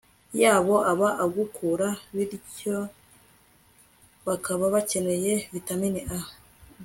yabo aba agikura, biryo bakaba bakeneye vitamini a